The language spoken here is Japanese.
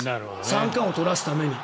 三冠王を取らせるために。